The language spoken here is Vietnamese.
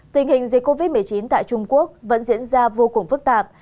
tình hình dịch covid một mươi chín tại trung quốc vẫn diễn ra vô cùng phức tạp